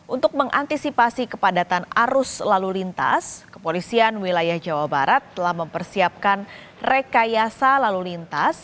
untuk mengantisipasi kepadatan arus lalu lintas kepolisian wilayah jawa barat telah mempersiapkan rekayasa lalu lintas